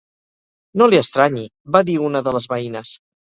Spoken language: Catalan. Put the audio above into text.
No li estranyi, va dir una de les veïnes.